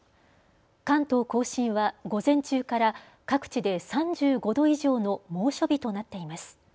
関東甲信は午前中から各地で３５度以上の猛暑日となっています。